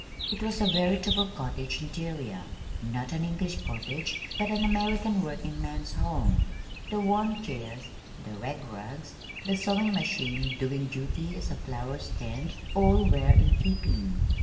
It was a veritable cottage interior not an English cottage but an American working man's home. The worn chairs, the rag rugs, the sewing machine doing duty as a flowerstand, all were in keeping.